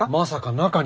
中に？